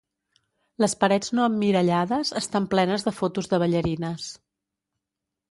Les parets no emmirallades estan plenes de fotos de ballarines.